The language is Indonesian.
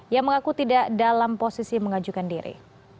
yang mengaku tidak dalam posisi mengajukan diri